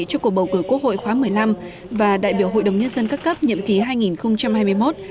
cho cuộc bầu cử quốc hội khóa một mươi năm và đại biểu hội đồng nhân dân các cấp nhiệm ký hai nghìn hai mươi một hai nghìn hai mươi sáu